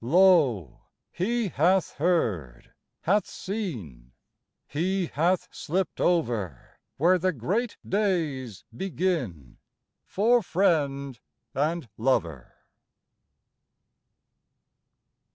" Lo, he hath heard, hath seen, He hath slipped over Where the great days begin For friend and lover.